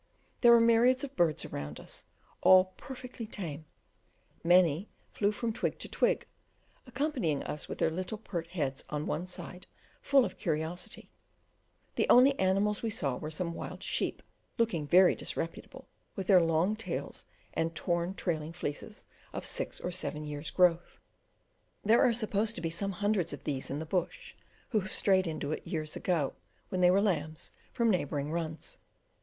There were myriads of birds around us, all perfectly tame; many flew from twig to twig, accompanying us with their little pert heads on one side full of curiosity; the only animals we saw were some wild sheep looking very disreputable with their long tails and torn, trailing fleeces of six or seven years' growth. There are supposed to be some hundreds of these in the bush who have strayed into it years ago, when they were lambs, from neighbouring runs.